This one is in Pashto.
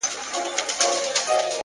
• يوه د ميني زنده گي راوړي،